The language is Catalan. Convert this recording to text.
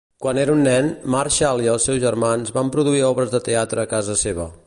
Quan era un nen, Marshall i els seus germans van produir obres de teatre a casa seva.